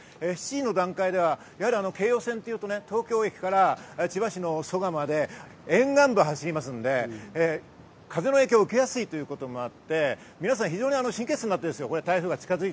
７時の段階では京葉線は東京駅から千葉市の蘇我まで沿岸部を走りますので、風の影響を受けやすいということもあって、皆さん非常に神経質になってます。